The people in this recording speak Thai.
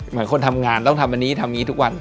เหมือนคนทำงานต้องทำอันนี้ทำอย่างนี้ทุกวัน